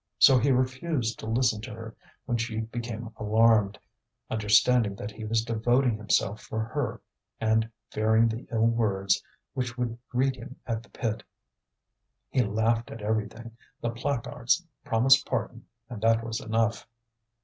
So he refused to listen to her when she became alarmed, understanding that he was devoting himself for her and fearing the ill words which would greet him at the pit. He laughed at everything; the placards promised pardon and that was enough.